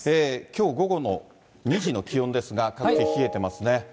きょう午後の２時の気温ですが、各地冷えてますね。